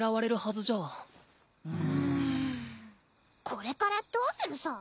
これからどうするさ？